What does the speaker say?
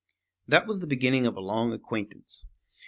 That was the beginning of a long acquaintance.